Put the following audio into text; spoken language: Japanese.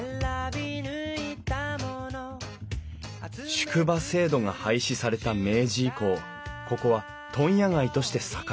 宿場制度が廃止された明治以降ここは問屋街として栄えた。